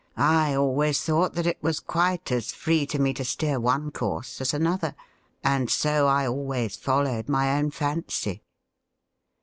I always thought that it was quite as free to me to steer one course as another, and so I always followed my own fancy.'